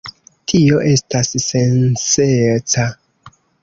Tio estas sensenca.